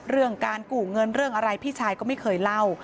เรื่องการกู้เงินเรื่องอะไรพี่ชายก็ไม่เคยเล่า